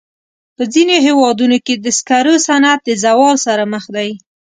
په ځینو هېوادونو کې د سکرو صنعت د زوال سره مخ دی.